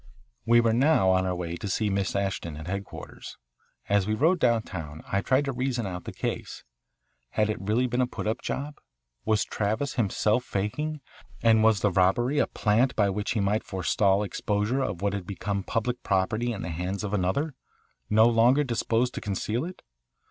We were now on our way to see Miss Ashton at headquarters, and as we rode downtown I tried to reason out the case. Had it really been a put up job? Was Travis himself faking, and was the robbery a "plant" by which he might forestall exposure of what had become public property in the hands of another, no longer disposed to conceal it?